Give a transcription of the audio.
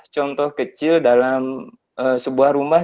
contoh kecil dalam sebuah rumah